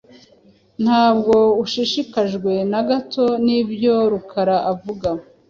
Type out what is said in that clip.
Ntabwo ushishikajwe na gato nibyo Rukara avuga?